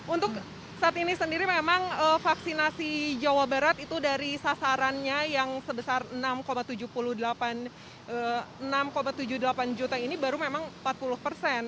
untuk saat ini sendiri memang vaksinasi jawa barat itu dari sasarannya yang sebesar enam tujuh puluh delapan juta ini baru memang empat puluh persen